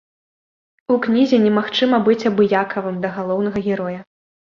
У кнізе немагчыма быць абыякавым да галоўнага героя.